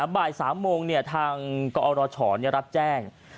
บ่าย๓โมงทางกอรชรับแจ้ง